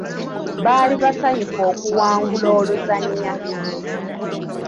Baali basanyufu okuwangula oluzannya.